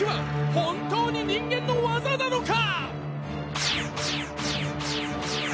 本当に人間の業なのか！？